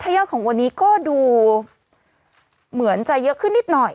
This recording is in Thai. ยอดของวันนี้ก็ดูเหมือนจะเยอะขึ้นนิดหน่อย